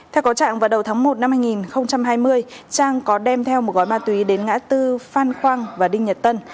theo có trạng vào đầu tháng một năm hai nghìn hai mươi trang có đem theo một gói ma túy đến ngã tư phan khoang và đinh nhật tân